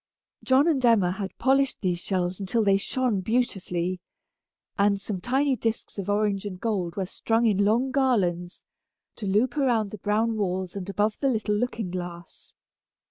John and Emma had polished these shells until they shone beautifully, and some tiny disks of orange and gold were strung in long garlands, to loop around the brown walls and above the little looking glass.